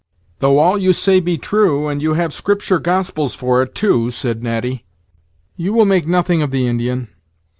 "Though all you say be true, and you have scriptur' gospels for it, too," said Natty, "you will make nothing of the Indian.